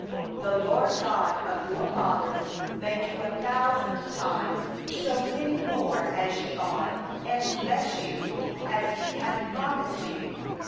—11The LORD, the God of your fathers, make you a thousand times so many more as ye are, and bless you, as He hath promised you!